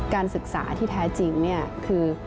การศึกษาที่แท้จริงคือ